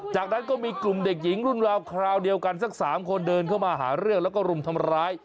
จากนั้นก็มีกลุ่มเด็กหญิงรุ่นราวคราวเดียวกันสัก๓คนเดินเข้ามาหาเรื่องแล้วก็รุมทำร้าย